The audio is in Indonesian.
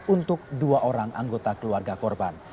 untuk dua orang anggota keluarga korban